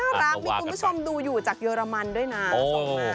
น่ารักมีคุณผู้ชมดูอยู่จากเยอรมันด้วยนะ